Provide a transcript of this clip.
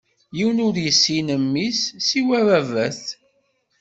Yiwen ur issin Mmi-s, siwa Ababat.